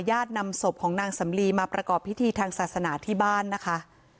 นำศพของนางสำลีมาประกอบพิธีทางศาสนาที่บ้านนะคะ